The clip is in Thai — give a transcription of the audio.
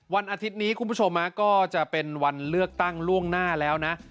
วันอาทิตย์นี้คุณผู้ชมก็จะเป็นวันเลือกตั้งล่วงหน้าแล้วนะ